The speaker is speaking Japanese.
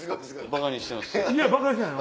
ばかにしてない。